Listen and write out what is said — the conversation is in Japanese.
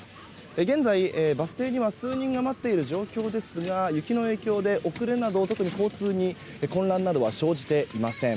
現在、バス停には数人が待っている状況ですが雪の影響で遅れなど特に交通に混乱などは生じていません。